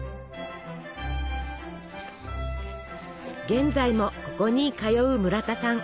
現在もここに通う村田さん。